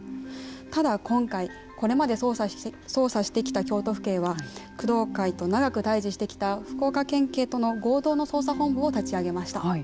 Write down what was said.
ただ、今回これまで捜査してきた京都府警は工藤会と長く対じしてきた福岡県警との合同の捜査本部を立ち上げました。